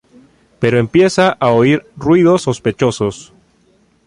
Pero empieza a oír ruidos sospechosos.